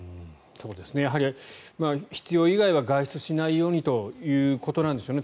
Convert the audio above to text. やはり必要以外は外出しないようにということなんでしょうね